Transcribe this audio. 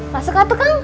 masuk atuh kang